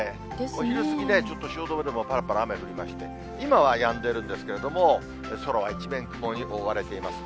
お昼過ぎね、ちょっと汐留でもぱらぱら雨降りまして、今はやんでるんですけれども、空は一面雲に覆われています。